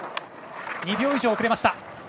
２秒以上遅れました。